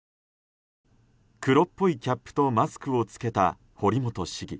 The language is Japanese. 黒っぽいキャップとマスクを着けた堀本市議。